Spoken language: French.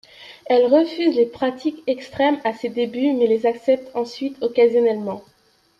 Elle refuse les pratiques extrêmes à ses débuts, mais les accepte ensuite occasionnellement.